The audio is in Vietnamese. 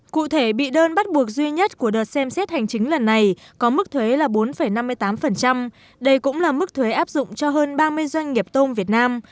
cụ thể bị đơn bắt buộc duy nhất của đợt xem xét hành chính lần này có mức thuế là bốn năm mươi tám đây cũng là mức thuế áp dụng cho hơn ba mươi doanh nghiệp tôm việt nam